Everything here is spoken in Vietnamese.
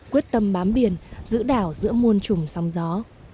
quyết tâm bám biển giữ đảo giữa muôn trùng sóng gió